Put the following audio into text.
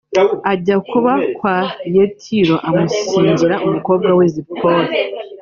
ajya kuba kwa Yetiro amushyingira umukobwa we Zipora